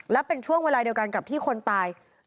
และเป็นช่วงเวลาเดียวกันกับที่คนตาย